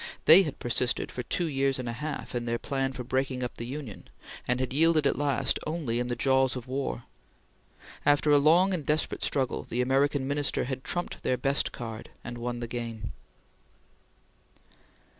They had persisted for two years and a half in their plan for breaking up the Union, and had yielded at last only in the jaws of war. After a long and desperate struggle, the American Minister had trumped their best card and won the game.